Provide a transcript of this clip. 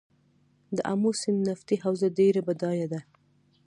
د امو سیند نفتي حوزه ډیره بډایه ده.